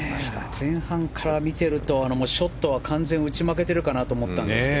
前半から見ているとショットは完全に打ち負けてるかなと思ったんですけど。